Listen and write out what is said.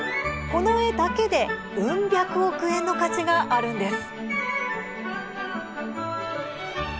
この絵だけでうん百億円の価値があるんです。